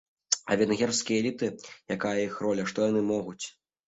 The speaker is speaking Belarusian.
А венгерскія эліты, якая іх роля, што яны могуць?